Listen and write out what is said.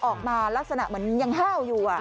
ลักษณะเหมือนยังห้าวอยู่